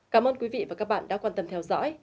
cảm ơn quý vị và các bạn đã quan tâm theo dõi